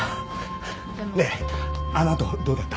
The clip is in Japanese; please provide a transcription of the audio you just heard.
ねえあのあとどうだった？